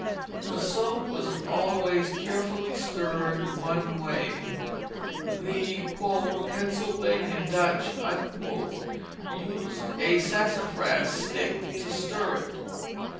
The soap was always carefully stirred one way. The "Pennsylvania Dutch" used a sassafras stick to stir it.